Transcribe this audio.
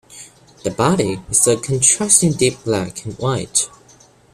The body is a contrasting deep black and white.